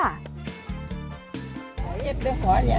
เจ็บหัวเนี่ย